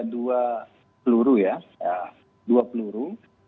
dua peluru ya dua peluru